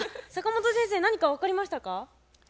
坂本先生何か分かりましたか？